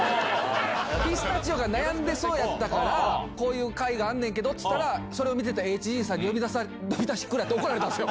ピスタチオが悩んでそうだったから、こういう会があんねんけどって言ったら、それを見てたＨＧさんに呼び出し食らって怒られたんですよ。